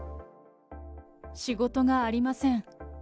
仕事がありません。